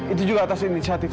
itu juga atas inisiatif